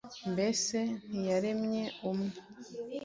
Mbese ntiyaremye umwe